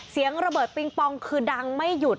เสียงระเบิดปิงปองคือดังไม่หยุด